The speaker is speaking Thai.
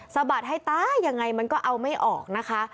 สะบัดให้ตายยังไงมันก็เอาไม่ออกนะคะ